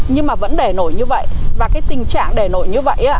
nhưng mà vẫn để nổi như vậy